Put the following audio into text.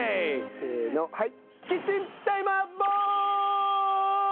せーのはい。